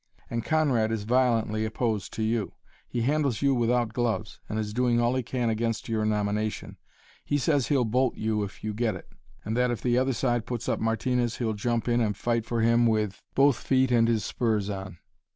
And Conrad is violently opposed to you. He handles you without gloves, and is doing all he can against your nomination. He says he'll bolt you if you get it, and that if the other side puts up Martinez he'll jump in and fight for him with both feet and his spurs on."